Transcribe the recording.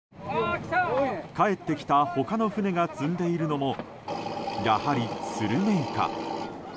帰ってきた他の船が積んでいるのもやはりスルメイカ。